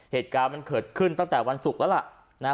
เหตุการณ์มันเกิดขึ้นตั้งแต่วันศุกร์แล้วล่ะ